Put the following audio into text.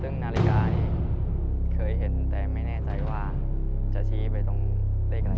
ซึ่งนาฬิกาเคยเห็นแต่ไม่แน่ใจว่าจะชี้ไปตรงเลขอะไร